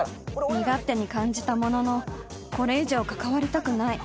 ［身勝手に感じたもののこれ以上関わりたくない］